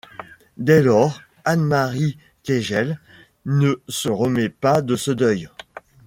Dès lors, Anne-Marie Kegels ne se remet pas de ce deuil.